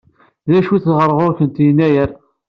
D acu-t ɣer ɣur-kent Yennayer?